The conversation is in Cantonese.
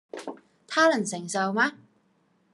他能承受嗎？